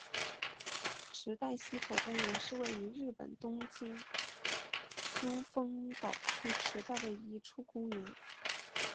池袋西口公园是位于日本东京都丰岛区池袋的一处公园。